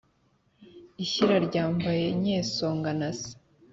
ishyira ryambaye nyesonga na se